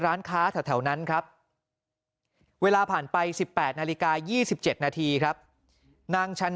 ร้านค้าแถวนั้นครับเวลาผ่านไป๑๘นาฬิกา๒๗นาทีครับนางชัน